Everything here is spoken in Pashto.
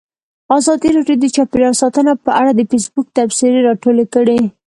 ازادي راډیو د چاپیریال ساتنه په اړه د فیسبوک تبصرې راټولې کړي.